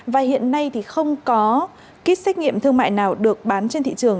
và hiện nay thì không có kit xét nghiệm thương mại nào được bán trên thị trường